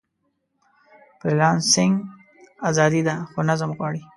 فریلانسنګ ازادي ده، خو نظم غواړي.